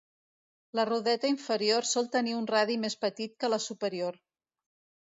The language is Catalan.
La rodeta inferior sol tenir un radi més petit que la superior.